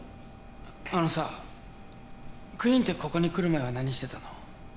あのさクイーンってここに来る前は何してたの？